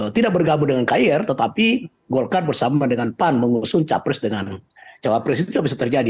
tidak bergabung dengan kir tetapi golkar bersama dengan pan mengusung capres dengan cawapres itu juga bisa terjadi